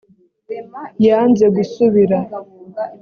yanze gusubira